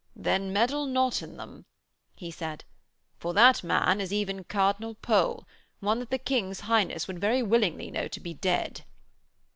'Then meddle not in them,' he said, 'for that man is even Cardinal Pole; one that the King's Highness would very willingly know to be dead.'